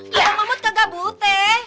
bang mahmut kagak bute